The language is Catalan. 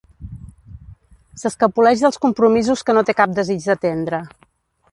S'escapoleix dels compromisos que no té cap desig d'atendre.